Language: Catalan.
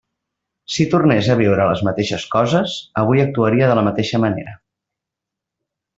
Si tornés a viure les mateixes coses, avui actuaria de la mateixa manera.